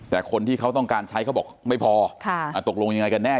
แต่คนที่เขาต้องการใช้เขาบอกไม่พอตกลงยังไงกันแน่